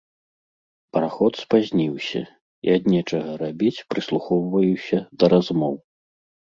Параход спазніўся, і ад нечага рабіць прыслухоўваюся да размоў.